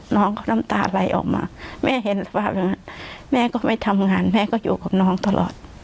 น้องเขาน้ำตาไหลออกมาแม่เห็นสภาพนั้นแม่ก็ไม่ทำงานแม่ก็อยู่กับน้องตลอด